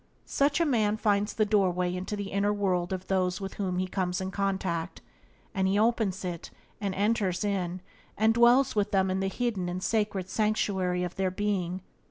Such a man finds the doorway into the inner world of those with whom he comes in contact, and he opens it and enters in and dwells with them in the hidden and sacred sanctuary of their being.